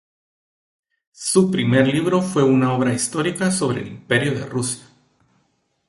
Su primer libro fue una obra histórica sobre el imperio de Rusia.